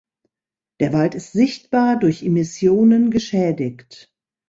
Der Wald ist sichtbar durch Immissionen geschädigt.